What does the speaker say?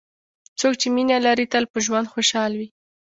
څوک چې مینه لري، تل په ژوند خوشحال وي.